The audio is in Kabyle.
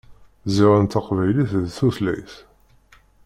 Ziɣen taqbaylit d tutlayt.